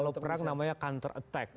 kalau perang namanya counter attack